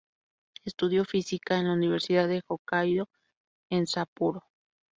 Estudió física en la Universidad de Hokkaido en Sapporo.